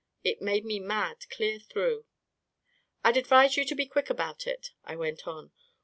It made me mad clear through. " I'd advise you to be quick about it," I went on.